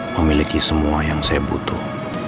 memiliki semua yang saya butuh